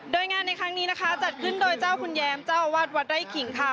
โดยงานในครั้งนี้นะคะจัดขึ้นโดยเจ้าคุณแย้มเจ้าอาวาสวัดไร่ขิงค่ะ